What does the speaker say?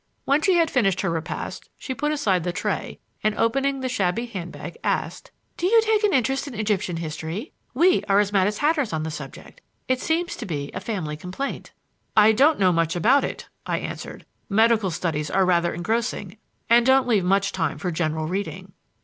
When she had finished her repast she put aside the tray and, opening the shabby handbag, asked: "Do you take any interest in Egyptian history? We are as mad as hatters on the subject. It seems to be a family complaint." "I don't know much about it," I answered. "Medical studies are rather engrossing and don't leave much time for general reading."